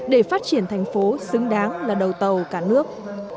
để phát triển thành phố xứng đáng là đầu tàu cả nước